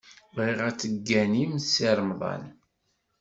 Bɣiɣ ad tegganim Si Remḍan.